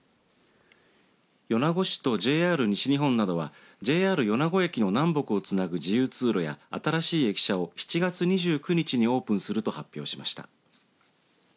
米子市とＪＲ西日本などはＪＲ米子駅の南北をつなぐ自由通路や新しい駅舎を７月２９日にオープンすると発表しました。